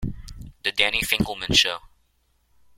The Danny Finkleman Show.